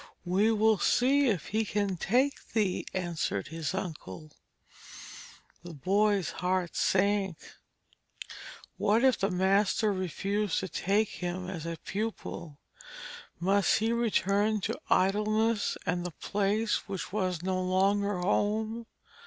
'We will see if he can take thee,' answered his uncle. The boy's heart sunk. What if the master refused to take him as a pupil? Must he return to idleness and the place which was no longer home?